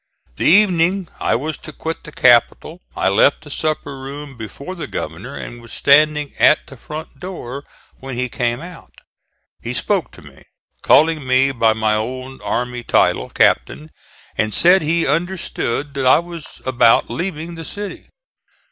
The evening I was to quit the capital I left the supper room before the governor and was standing at the front door when he came out. He spoke to me, calling me by my old army title "Captain," and said he understood that I was about leaving the city.